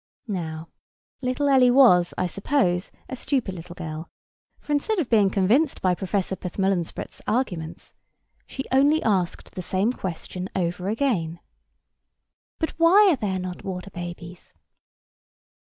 Now little Ellie was, I suppose, a stupid little girl; for, instead of being convinced by Professor Ptthmllnsprts' arguments, she only asked the same question over again. "But why are there not water babies?"